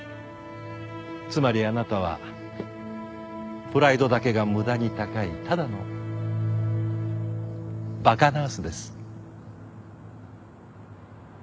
つまりあなたはプライドだけが無駄に高いただの馬鹿ナースです。